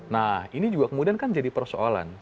nah ini juga kemudian kan jadi persoalan